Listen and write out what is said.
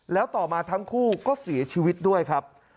แล้วต่อมาทั้งคู่ก็เสียชีวิตด้วยครับ